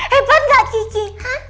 hebat gak cici